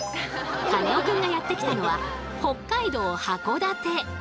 カネオくんがやって来たのは北海道函館。